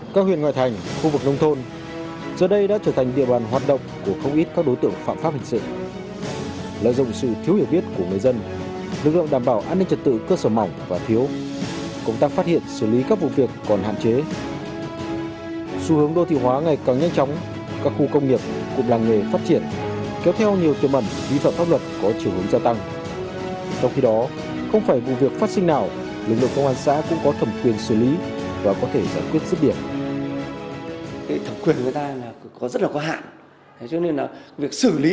trong khi đó không phải vụ việc phát sinh nào lực lượng công an xã cũng có thẩm quyền xử lý